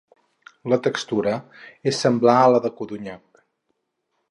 La textura és semblar a la del codonyat.